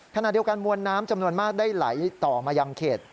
ขณะเดียวกันมวลน้ำจำนวนมากได้ไหลต่อมายังเขต